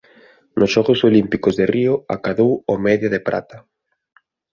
Nos Xogos Olímpicos de Río acadou o media de prata.